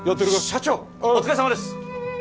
社長お疲れさまです